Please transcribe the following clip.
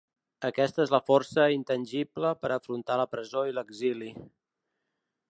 Aquesta és la força intangible per a afrontar la presó i l’exili.